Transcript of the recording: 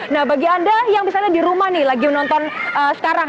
nah bagi anda yang misalnya di rumah nih lagi menonton sekarang